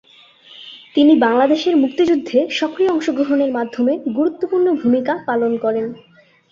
তিনি বাংলাদেশের মুক্তিযুদ্ধে সক্রিয় অংশ গ্রহণের মাধ্যমে গুরুত্বপূর্ণ ভূমিকা পালন করেন।